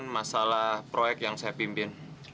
masalah proyek yang saya pimpin